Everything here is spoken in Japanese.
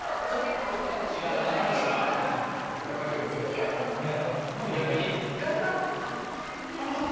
めっちゃ綺麗だったんですよ！